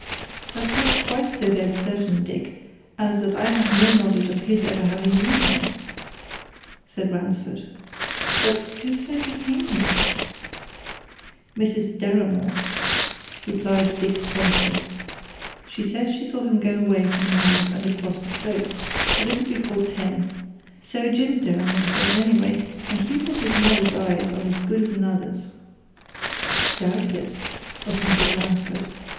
"That's not quite so dead certain, Dick, as that I have no knowledge of his ever having been here," said Ransford. "But who says he came here?" "Mrs. Deramore," replied Dick promptly. "She says she saw him go away from the house and across the Close, a little before ten. So Jim Deramore says, anyway and he says his mother's eyes are as good as another's." "Doubtless!" assented Ransford.